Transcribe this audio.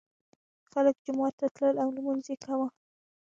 خلک جومات ته تلل او لمونځ یې کاوه.